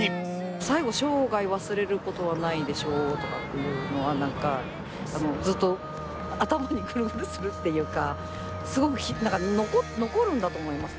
最後「生涯忘れることはないでしょう」とかっていうのがなんかずっと頭にぐるぐるするっていうかすごくなんか残るんだと思います。